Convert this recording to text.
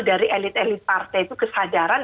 dari elit elit partai itu kesadaran